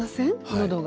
喉が。